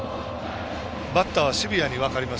バッターはシビアに分かります